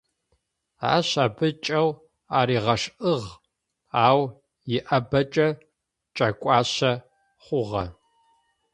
Ащ абэ кӏэу аригъэшӏыгъ, ау иабакӏэ кӏэкуащэ хъугъэ.